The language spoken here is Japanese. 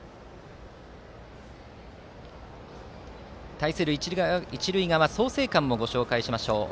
対する一塁側創成館もご紹介します。